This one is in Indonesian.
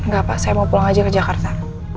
gak apa saya mau pulang aja ke jakarta